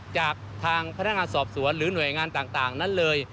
จากทางพนักงานสอบสวนหรือหน่วยงานต่างนั้นเลย